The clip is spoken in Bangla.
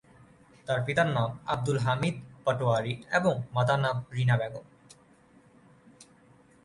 তার পিতার নাম আব্দুল হামিদ পাটোয়ারী এবং মাতার নাম রিনা বেগম।